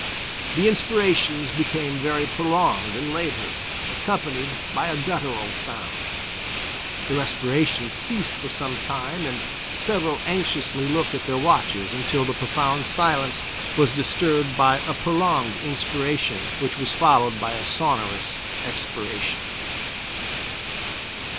The inspirations became very prolonged and labored, accompanied by a guttural sound. The respirations ceased for some time and several anxiously looked at their watches until the profound silence was disturbed by a prolonged inspiration, which was followed by a sonorous expiration.